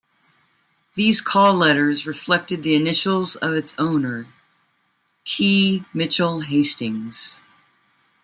These call letters reflected the initials of its owner, T. Mitchell Hastings.